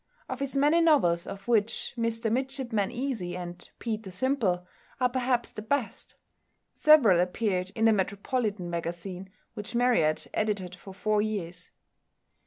Of his many novels, of which "Mr Midshipman Easy" and "Peter Simple" are perhaps the best, several appeared in the Metropolitan Magazine, which Marryat edited for four years.